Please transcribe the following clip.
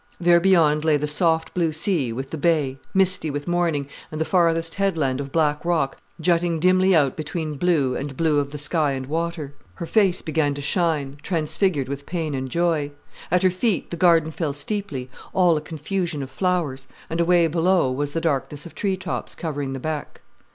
There beyond lay the soft blue sea with the bay, misty with morning, and the farthest headland of black rock jutting dimly out between blue and blue of the sky and water. Her face began to shine, transfigured with pain and joy. At her feet the garden fell steeply, all a confusion of flowers, and away below was the darkness of tree tops covering the beck.